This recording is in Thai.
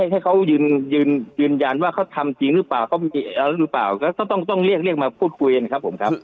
ให้เขายืนยันว่าเขาทำจริงหรือเปล่าก็ต้องเรียกมาพูดคุยกันครับผมครับ